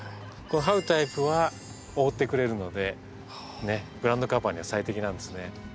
はうタイプは覆ってくれるのでグラウンドカバーには最適なんですね。